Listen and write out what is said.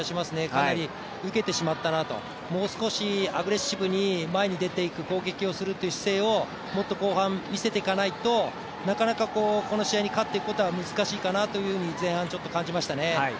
かなり受けてしまったなと、もう少しアグレッシブに前に出て行く攻撃をするという姿勢をもっと後半見せていかないとなかなかこの試合に勝っていくことは難しいかなというのは前半感じましたね。